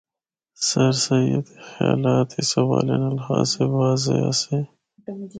سرسید دے خیالات اس حوالے خاصے واضح آسے۔